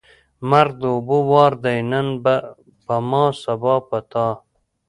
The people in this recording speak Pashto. ـ مرګ د اوبو وار دی نن په ما ، سبا په تا.